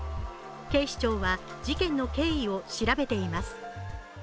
警視庁は事件の経緯を調べています。